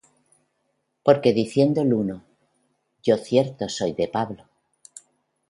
Porque diciendo el uno: Yo cierto soy de Pablo;